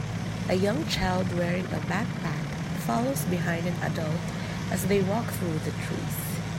A young child wearing a backpack follows behind an adult as they walk through the trees.